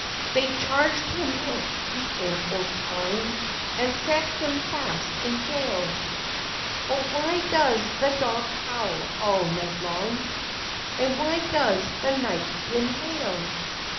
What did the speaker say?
They'd charged him with the old, old crime, And set him fast in jail: Oh, why does the dog howl all night long, And why does the night wind wail?